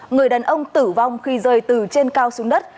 người đàn ông tử vong khi rơi từ trên cao xuống đất